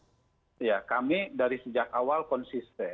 oke ya kami dari sejak awal konsisten